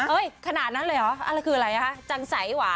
เอ้ยขนาดนั้นเลยเหรอคืออะไรคะจันสัยหว่า